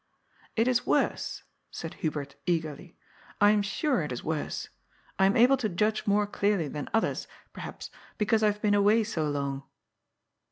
It is worse," said Hubert eagerly, " I am sure it is worse. I am able to judge more clearly than others, per haps, because I have been away so long."